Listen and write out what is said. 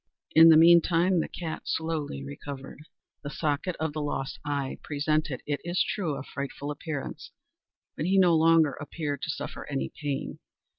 In the meantime the cat slowly recovered. The socket of the lost eye presented, it is true, a frightful appearance, but he no longer appeared to suffer any pain.